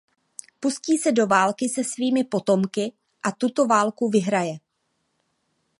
Pustí se do války se svými potomky a tuto válku vyhraje.